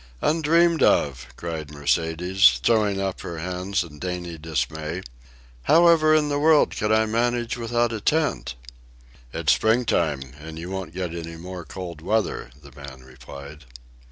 "Undreamed of!" cried Mercedes, throwing up her hands in dainty dismay. "However in the world could I manage without a tent?" "It's springtime, and you won't get any more cold weather," the man replied.